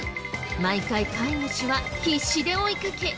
毎回飼い主は必死で追いかけ